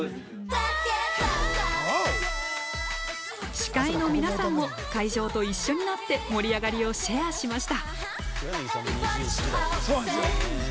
司会の皆さんも会場と一緒になって盛り上がりをシェアしました。